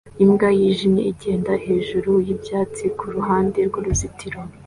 Imbwa yijimye igenda hejuru yibyatsi kuruhande rwuruzitiro